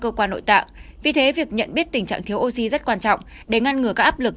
loại tình trạng vì thế việc nhận biết tình trạng thiếu oxy rất quan trọng để ngăn ngừa các áp lực